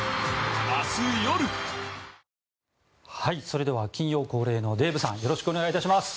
それでは金曜恒例のデーブさん、お願いします。